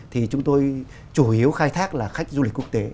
thì chúng tôi chủ yếu khai thác là khách du lịch quốc tế